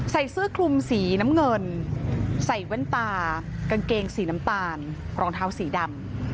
ใส่เสื้อคลุมสีน้ำเงินใส่แว่นตากางเกงสีน้ำตาลรองเท้าสีดำ